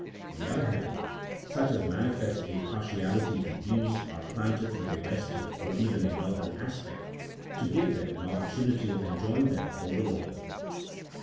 On the other hand, such as manifest a partiality to dews are planted with a western or even a northern aspect, to give them an opportunity of en joying them all the longer.